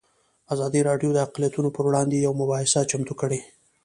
ازادي راډیو د اقلیتونه پر وړاندې یوه مباحثه چمتو کړې.